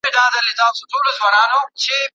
د ژوند په شور کښې، ځنې ځنې آوازونه اوره